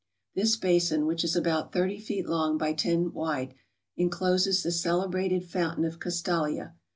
This basin, which is about 30 feet long by 10 wide, encloses tlie celebrated fountain of Castalia.